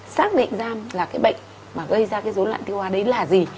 xác định ram là cái bệnh mà gây ra cái dối loạn tiêu hóa đấy là gì